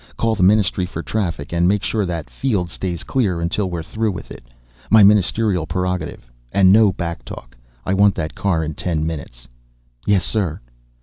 Call the Ministry for Traffic and make sure that field stays clear until we're through with it. My Ministerial prerogative, and no back talk. I want that car in ten minutes." "Yes, sir."